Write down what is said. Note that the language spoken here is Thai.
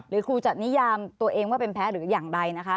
ครูจะนิยามตัวเองว่าเป็นแพ้หรืออย่างไรนะคะ